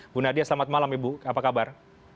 bu nadia selamat malam ibu apa kabar